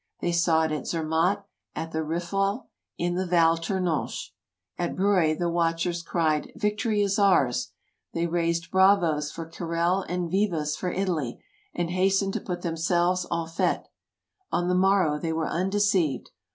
They saw it at Zermatt, at the Riffel, in the Val Tournanche. At Breuil the watchers cried "Vic tory is ours !'' They raised '' bravos '' for Carrel and '' vivas '' for Italy, and hastened to put themselves eft fete. On the morrow they were undeceived.